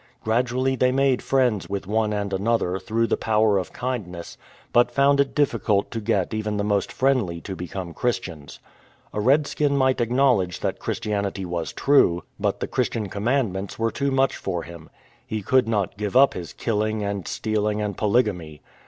Gradu ally they made friends with one and another through the power of kindness, but found it difficult to get even the most friendly to become Christians. A redskin might acknowledge that Christianity was true, but the Christian commandments were too much for him. He could not give up his killing and stealing and polygamy.